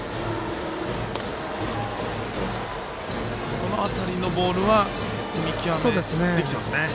この辺りのボールは見極め、できてますね。